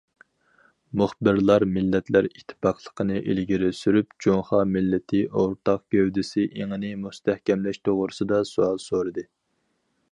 مۇخبىرلار مىللەتلەر ئىتتىپاقلىقىنى ئىلگىرى سۈرۈپ، جۇڭخۇا مىللىتى ئورتاق گەۋدىسى ئېڭىنى مۇستەھكەملەش توغرىسىدا سوئال سورىدى.